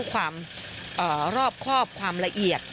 ความรอบครอบความละเอียด